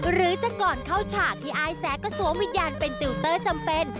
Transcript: หรือจะก่อนเข้าฉากที่อายแสก็สวมวิญญาณเป็นติวเตอร์จำเป็น